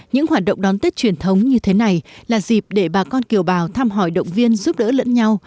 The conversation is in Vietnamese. những hoạt động đón tết truyền thống như thế này là dịp để bà con kiều bào thăm hỏi động viên giúp đỡ lẫn nhau